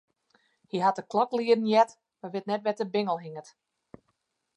Hy hat de klok lieden heard, mar wit net wêr't de bingel hinget.